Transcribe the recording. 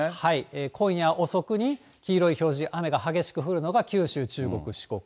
今夜遅くに黄色い表示、雨が激しく降るのが九州、中国、四国。